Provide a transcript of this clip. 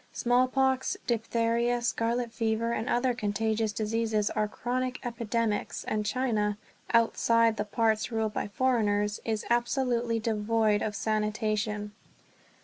Smallpox, diphtheria, scarlet fever, and other contagious diseases are chronic epidemics; and China, outside the parts ruled by foreigners, is absolutely devoid of sanitation.